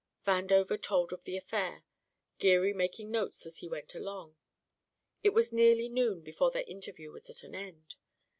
Vandover told of the affair, Geary making notes as he went along. It was nearly noon before their interview was at an end.